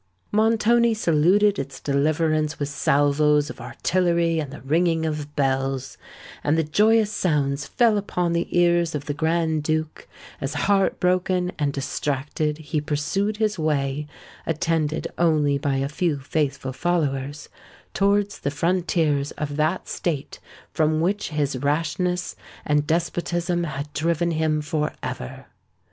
Montoni saluted its deliverance with salvoes of artillery and the ringing of bells; and the joyous sounds fell upon the ears of the Grand Duke, as, heart broken and distracted, he pursued his way, attended only by a few faithful followers, towards the frontiers of that State from which his rashness and despotism had driven him for ever.